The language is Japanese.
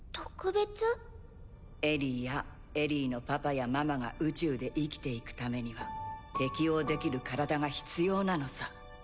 エリィやエリィのパパやママが宇宙で生きていくためには適応できる体が必要なのさ。